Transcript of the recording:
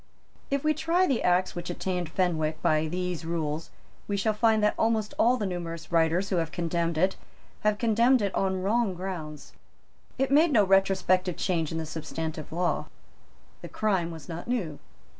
If we try the Act which attainted Fenwick by these rules we shall find that almost all the numerous writers who have condemned it have condemned it on wrong grounds. It made no retrospective change in the substantive law. The crime was not new.